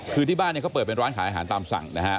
คือที่บ้านเนี่ยเขาเปิดเป็นร้านขายอาหารตามสั่งนะฮะ